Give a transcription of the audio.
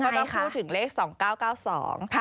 เราก็ต้องพูดถึงเลข๒๙๙๒